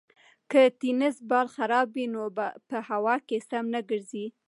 که د تېنس بال خراب وي نو په هوا کې سم نه ګرځي.